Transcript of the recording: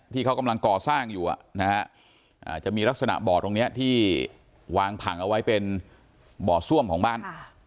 ที่เขากำลังก่อสร้างอยู่นะฮะจะมีลักษณะบ่อตรงนี้ที่วางผังเอาไว้เป็นบ่อซ่วมของบ้าน